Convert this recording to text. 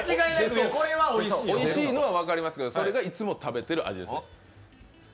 おいしいのは分かりますけど、それがいつも食べてる味ですか？